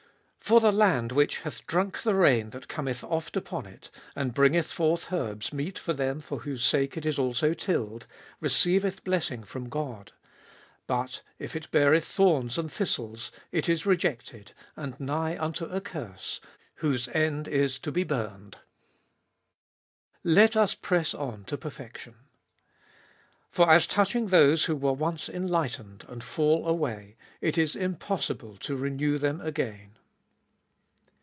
7. For the land which hath drunk the rain that cometh oft upon it, and bringeth forth herbs meet for them for whose sake it Is also tilled, receiveth blessing from God: 8. But if it beareth thorns and thistles, it is rejected and nigh unto a curse ; whose end is to be burned. Let us press on to perfection. For as touching those who were once enlightened, and fall away, it is impossible to renew them again.